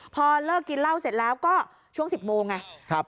พอเลิกกินเหล้าเสร็จแล้วก็ช่วง๑๐โมงไง